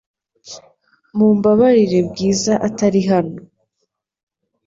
Mumbabarire Bwiza atari hano .